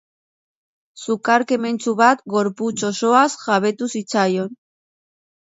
Sukar kementsu bat gorputz osoaz jabetu zitzaion.